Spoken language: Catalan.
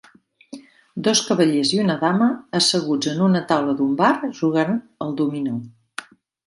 Dos cavallers i una dama asseguts en una taula d'un bar jugant al dominó.